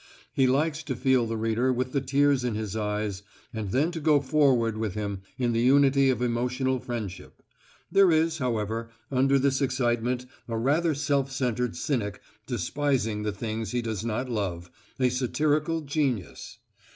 He likes to feel the reader with the tears in his eyes and then to go forward with him in the unity of emotional friendship. There is, however, under this excitement a rather self centred cynic despising the things he does not love, a satirical genius.